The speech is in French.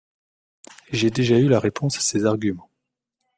Et j’ai déjà eu la réponse à ces arguments.